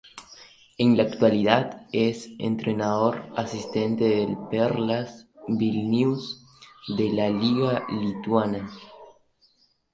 En la actualidad es entrenador asistente del Perlas Vilnius de la liga lituana.